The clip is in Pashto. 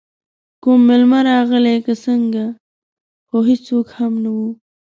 کوم میلمه راغلی که څنګه، خو هېڅوک هم نه وو.